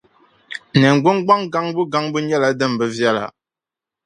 Nin gbungbaŋ gaŋbu gaŋbu nyɛla din bi viɛla.